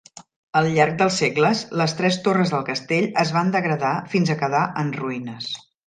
Al llarg dels segles, les tres torres del castell es van degradar fins a quedar en ruïnes.